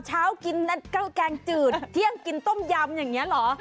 เช้ากินข้าวแกงจืดเที่ยงกินต้มยำอย่างนี้เหรอ